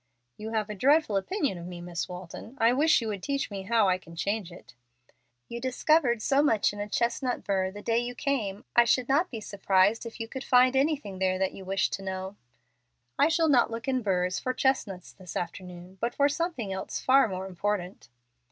'" "You have a dreadful opinion of me, Miss Walton. I wish you would teach me how I can change it." "You discovered so much in a chestnut burr the day you came I should not be surprised if you could find anything else there that you wish to know." "I shall not look in burrs for chestnuts this afternoon, but for something else far more important."